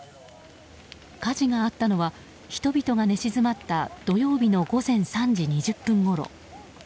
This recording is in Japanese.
火事があったのは人々が寝静まった土曜日の午前３時２０分ごろ。